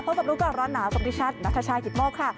สวัสดีค่ะพบกับลูกกรรมร้อนหนาวสมดิชัตริ์ณธชาิกิริย์บมกค่ะ